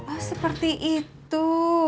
oh seperti itu